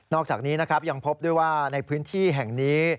อกจากนี้นะครับยังพบด้วยว่าในพื้นที่แห่งนี้